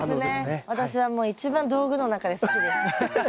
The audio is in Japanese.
私はもう一番道具の中で好きです。